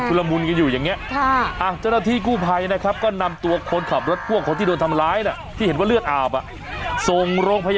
เจ้าหน้าที่คู่ภัยนะครับก็นำตัวคนขับรถทั่วของที่โดนทำลาย